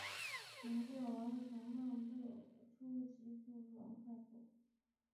能够完成漫步及部份快步。